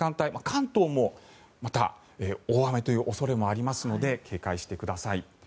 関東もまた、大雨という恐れもありますので警戒してください。